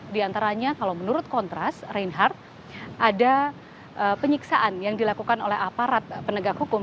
di antaranya kalau menurut kontras reinhardt ada penyiksaan yang dilakukan oleh aparat penegak hukum